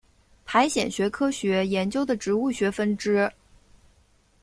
苔藓学科学研究的植物学分支。